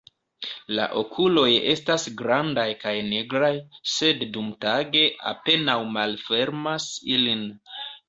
La okuloj estas grandaj kaj nigraj, sed dumtage apenaŭ malfermas ilin.